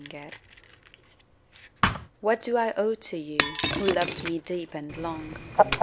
DEBT WHAT do I owe to you Who loved me deep and long?